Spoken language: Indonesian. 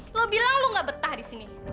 lo bilang lo gak betah di sini